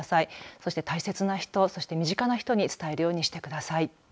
そして大切な人そして身近な人に伝えるようにしてください。